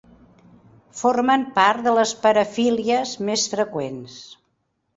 Formen part de les parafílies més freqüents.